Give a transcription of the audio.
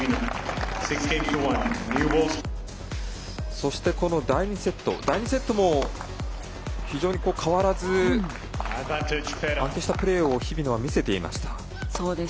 そして、この第２セット．第２セットも、非常に変わらず安定したプレーを日比野は見せていました。